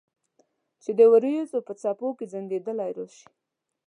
چې د اوریځو په څپو کې زنګیدلې راشي